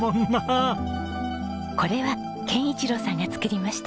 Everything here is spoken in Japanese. これは憲一郎さんが作りました。